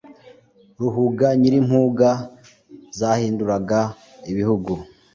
Ruhuga nyiri impuga Zahinduraga ibihugu,